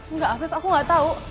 engga afif aku gatau